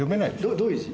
・どういう字？